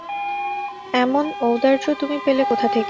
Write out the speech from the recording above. এমন ঔদার্য তুমি পেলে কোথা থেকে!